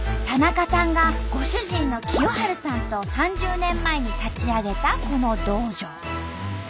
田中さんがご主人の清春さんと３０年前に立ち上げたこの道場。